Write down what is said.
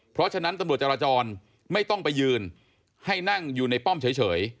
เพราะฉะนั้นตำรวจจราจรไม่ต้องไปยืนให้นั่งอยู่ในป้อมเฉย